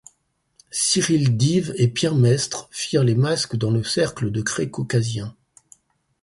Cyrille Dives et Pierre Mestre firent les masques dans Le cercle de craie caucasien.